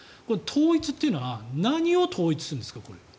統一っていうのは何を統一するんですか？